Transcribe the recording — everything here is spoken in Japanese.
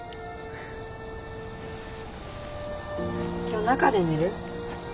今日中で寝る？